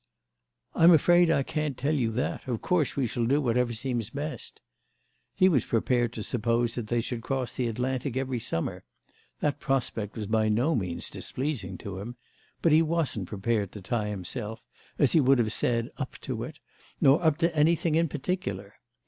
"I'm afraid I can't tell you that; of course we shall do whatever seems best." He was prepared to suppose they should cross the Atlantic every summer—that prospect was by no means displeasing to him; but he wasn't prepared to tie himself, as he would have said, up to it, nor up to anything in particular.